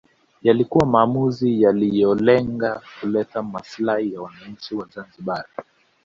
Yalikuwa maamuzi yaliyolenga kuleta maslahi ya wananchi wa Zanzibar